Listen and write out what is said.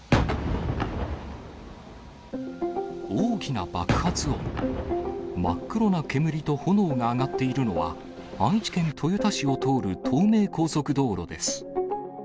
大きな爆発音、真っ黒な煙と炎が上がっているのは、愛知県豊田市を通る東名高速道路です。